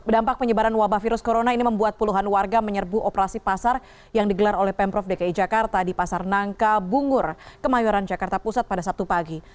dampak penyebaran wabah virus corona ini membuat puluhan warga menyerbu operasi pasar yang digelar oleh pemprov dki jakarta di pasar nangka bungur kemayoran jakarta pusat pada sabtu pagi